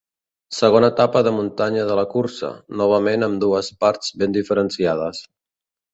Segona etapa de muntanya de la cursa, novament amb dues parts ben diferenciades.